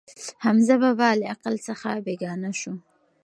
حمزه بابا له عقل څخه بېګانه شو.